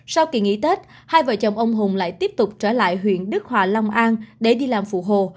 sau kỳ nghỉ tết hai vợ chồng ông hùng lại tiếp tục trở lại huyện đức hòa long an để đi làm phụ hồ